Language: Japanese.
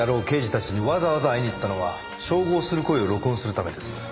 刑事たちにわざわざ会いに行ったのは照合する声を録音するためです。